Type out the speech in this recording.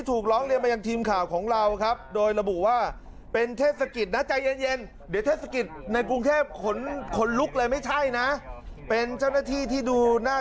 ฮู้ฮู้ฮู้ฮู้ฮู้ฮู้ฮู้ฮู้ฮู้ฮู้ฮู้ฮู้ฮู้ฮู้ฮู้ฮู้ฮู้